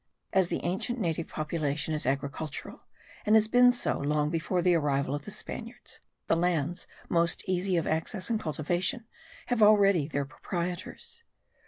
As the ancient native population is agricultural, and had been so long before the arrival of the Spaniards, the lands most easy of access and cultivation have already their proprietors.